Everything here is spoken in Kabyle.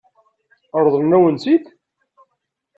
Ṛeḍlen-awen-tt-id?